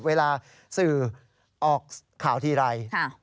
เวลาสื่อออกข่าวทีไร